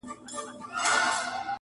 په سلګیو سو په ساندو واویلا سو!